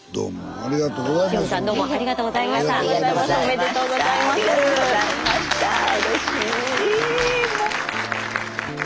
ありがとうございましたうれしい。